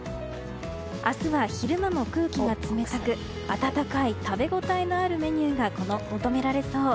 明日は昼間も空気が冷たく温かい食べ応えのあるメニューが求められそう。